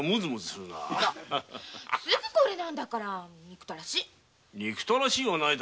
すぐこれなんだから憎たらしい。